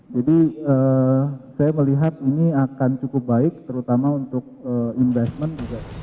jadi saya melihat ini akan cukup baik terutama untuk investment juga